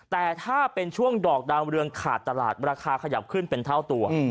แต่ถ้าเป็นช่วงดอกดาวเรืองขาดตลาดราคาขยับขึ้นเป็นเท่าตัว